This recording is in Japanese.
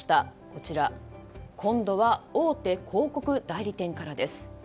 こちら今度は大手広告代理店からです。